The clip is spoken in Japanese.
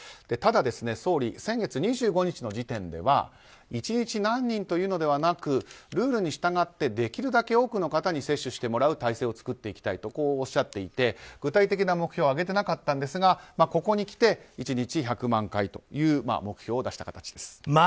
ただ、総理先月２５日の時点では１日何人というのではなくルールに従ってできるだけ多くの方に接種してもらう体制を作っていきたいとおっしゃっていて具体的な目標は上げていなかったんですがここにきて、１日１００万回という目標を出した形です。